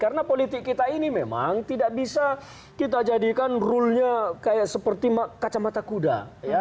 karena politik kita ini memang tidak bisa kita jadikan rule nya seperti kacamata kuda